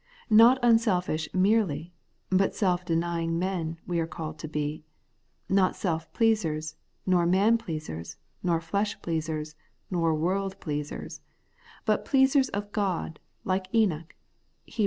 Not unselfish merely, but self denying men, we are called to be ; not self pleasers, nor man pleasers, nor flesh pleasers, nor world pleasers ; but pleasers of God, like Enoch (Heb.